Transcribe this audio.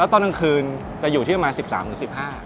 แล้วตอนกลางคืนจะอยู่ที่ประมาณ๑๓๑๕องศาเซียส